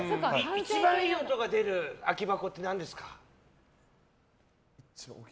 一番いい音が出る空き箱って何ですか？